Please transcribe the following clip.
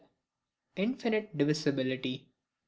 Infinite Divisibility.